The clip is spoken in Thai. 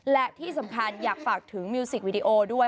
และที่สำคัญอยากฝากถึงมิวสิกวิดีโอด้วย